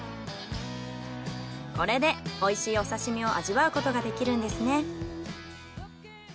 これでおいしいお刺身を味わうことができるんですね。